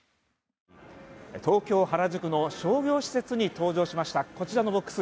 東京・原宿の商業施設に登場しましたこちらのボックス。